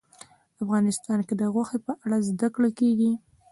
افغانستان کې د غوښې په اړه زده کړه کېږي.